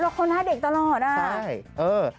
เขาหน้าเด็กตลอดอ่ะใช่เออ